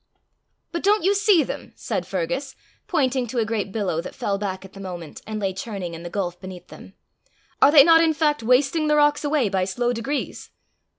"But don't you see them?" said Fergus, pointing to a great billow that fell back at the moment, and lay churning in the gulf beneath them. "Are they not in fact wasting the rocks away by slow degrees?"